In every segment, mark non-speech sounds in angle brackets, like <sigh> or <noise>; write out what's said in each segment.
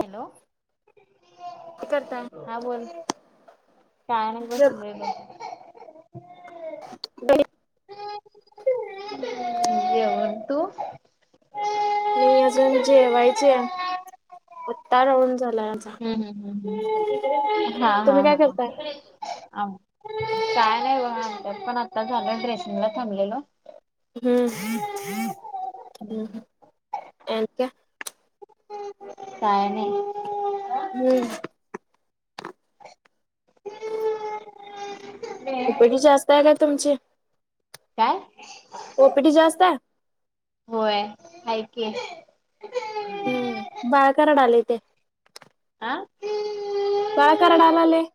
Hello हा बोल काय नाही बस ब जेवण तू म अजून जेवायचे होत्ता राहून हम्म हम् हम्म हम् हा हा तुम्ही काय करताय हा काय नाही ब पण आता झालं ड्रेसिंगला थांबलेल हम्म ए का काय नाही हम्म <inaudible> उपट जास्त आहे का तुमची काय पॉप्रटी जास्त आहे. केलं हम्म बाळ रडलाय ते. ह <unintelligible> बाळा रडायला लागलंय.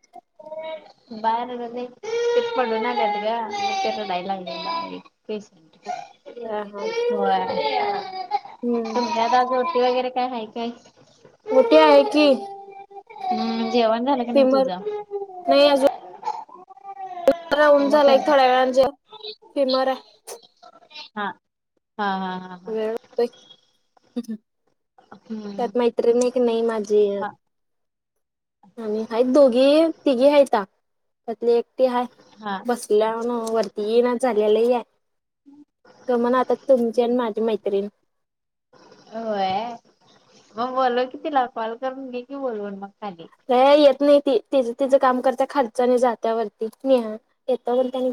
बाळ रडत नाही ते पडून आलय ग म्हणून रडालागय हा हा हम्म <unintelligible> काय नाही काय मोठी आहे की हम् जेवण झालं का नाही तुझ? फिमर फक्त राहून झालाय थोड्या वेळान जेवण फिमर आहे हा हा हा हा हा वेळ लागतोय हम्म त्यात मैत्रिण एक नाही माझी हा आणि हाईत दोघी तिघी हाइता त्यातली एक ते हाय हा बसल्या नव्ह वरती येईनाच झाल्या लई हाय गमना आता तुमची आणि माझी मैत्रिण होय मग बोलव की तिला कॉल करून मी की बोलवन मग खाली आता येत नाहीती? तिज तिज काम करत्या खालचं आणि जात्या वरती नेहा येतान त्यानी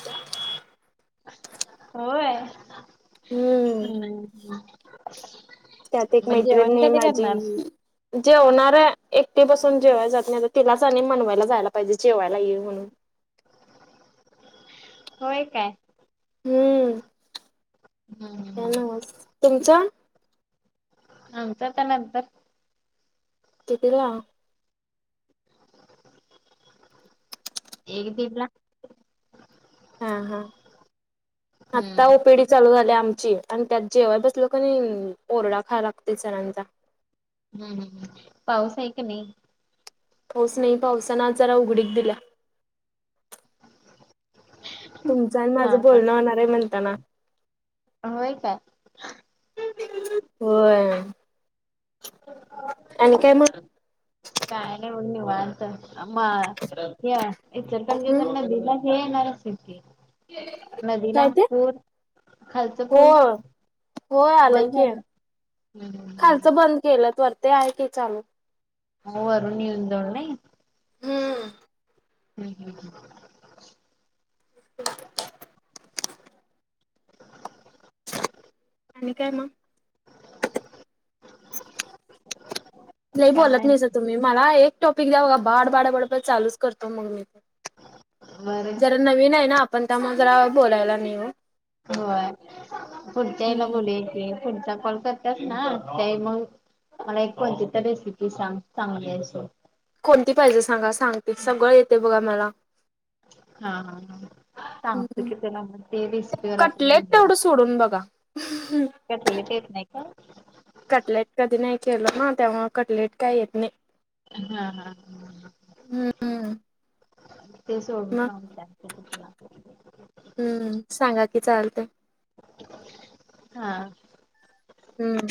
होय ह हम्म अ त्यात एक मैत्रिणी नाही माझी जेवनार आहे एक ते बसून जेवाय जात नाही तिलाच आणि मनवायला जायला पाहिजे जेवायला येईल म्हणून होय काय? हम्म काय हम्म नव्हच तुमच आमच आता नंतर कीतीला? एक दीडला हा हा हम्म आता ओपीडी चालू झाल्या आमची आणि त्यात जेवायला बसलो कणी ओरडा खायला लागतोय सरांचा हम्म ह पाऊस आहे की नाही? पाऊस नाही पावसान जरा उघडीक दिल्या तुमचं आणि हा माझं बोलणं होणार आहे म्हणताना होय काय? होय आणि काय मग काय नाही निवांत म इचलकरंजीच्या हम् नदीला कणी <inaudible> नदी काय ते? नागपूर खालच पूल होय होय आलंय बंद की झालं हम्म हम्म खालचं बंद केल्यात वरच आहे की चालू हो वरून <inaudible> नाही हम्म हम्म हम् ह आणि काय मग? लय बोलत काय नाहीसा तुम्ही मला एक टॉपिक द्या बघा बाडबाडबड चालूच करतो मग मी बरं जरा नवीन आहे ना पण त्यामूळ जरा बोलायला नाही हो होय पुढच्या हेला हम्म बोलूया की पुढचा कॉल करत्यास ना ते मग मला एक कोणती तर रेसिपी चांगली अशी कोणती पाहिजे सांगा सांगते सगळं येतय बघा मला हा हा ह सांत हम्म. क त्याला म ते रस् पण कटलेट तेवढं सोडून बघा का तेेत नाही का? कटलेट कधी नाही केलं ना तेव्हा कटलेट काही येत नाही हम् हा ह हम्म. ते सोडून मग ठांवून तुला हम्म सांगा कि चालते हा हम्म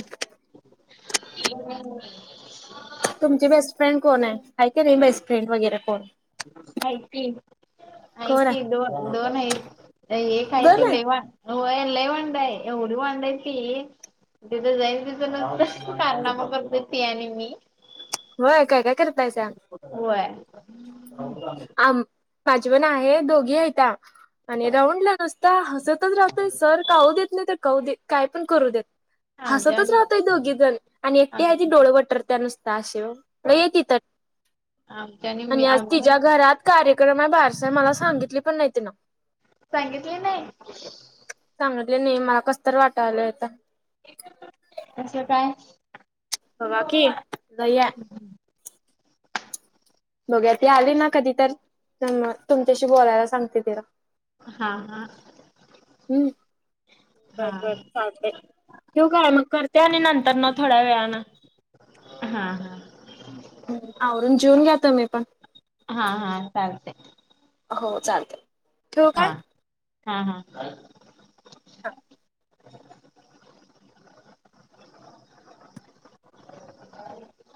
हम् तुमची बेस्टफ्रेंड कोण आहे ऐकय नाही बेस्टफ्रेंड वगैरे कोण य ते कोण आहे? क दोन दोन आहे एक आहे ते दोन आहेत? लेवा हो एल वडय एवढ वड त कारनामा पद्धती आणि मी होय काय काय करत नाहीयच होय आम माझी पण आहे दोघी आहेतता आणि राऊंडला नसता हसतच राहतय सर काहू देत नाही तर काू द काय पण करू देत आमच्या हसतच आणि राहतोय दोघी जण आणि एकटी आम आहे ती डोळ वटर त्या नुसता ये त आमच्या मी आणि आज आम्ही तिच्या पण घरात कार्यक्रम बार असं मला सांगितली पण नाहीती ना सांगितले नाही म्हटले नाही मला कसत वाटायलंय असं काय बा बाकी काय आहे बघू ती आली ना कधी तर तुमच्याशी बोलायला सांगते तिला हा हा हम्म हा बर बर चालते ठेव काय मग करते आणि नंतर तर थोडा व्या हा हा ् आवरून जेवन घ्या त मी पण हा हा चालतंय हो चालते ठेव का हां हा आहे